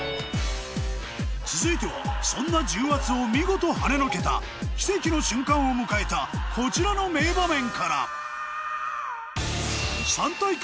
続いてはそんな重圧を見事はねのけた奇跡の瞬間を迎えたこちらの名場面から